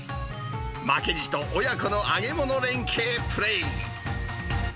負けじと親子の揚げ物連係プレー。